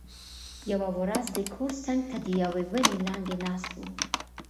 یوه ورځ د کور څنګ ته د یوې ونې لاندې ناست و،